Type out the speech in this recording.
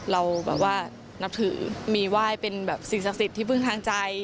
เราแบบว่านับถือมีไหว้เป็นแบบสิ่งศักดิ์สิทธิ์ที่พึ่งทางใจ